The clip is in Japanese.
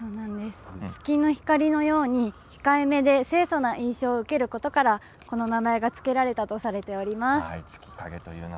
月の光のように控えめで清そな印象を受けることからこの名前が付けられたとされております。